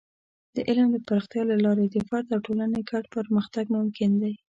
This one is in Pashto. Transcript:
د علم د پراختیا له لارې د فرد او ټولنې ګډ پرمختګ ممکن دی.